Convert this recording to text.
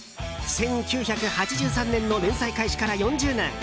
１９８３年の連載開始から４０年。